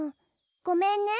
ごめんね。